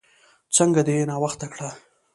څنګه دې ناوخته کړه؟